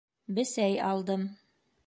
Бесәй алдым.